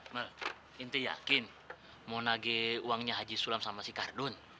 mbak inti yakin mau nage uangnya haji sulam sama si kardun